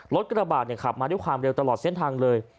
กระบาดขับมาด้วยความเร็วตลอดเส้นทางเลย